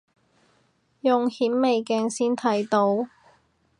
用顯微鏡先睇到